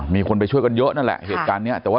มีคนไปช่วยกันเยอะนั่นแหละเหตุการณ์นี้แต่ว่า